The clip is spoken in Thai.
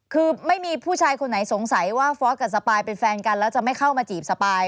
คือไม่มีผู้ชายคนไหนสงสัยว่าฟอร์สกับสปายเป็นแฟนกันแล้วจะไม่เข้ามาจีบสปาย